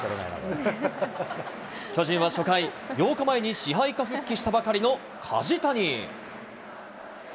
巨人は初回、８日前に支配下復帰したばかりの梶谷。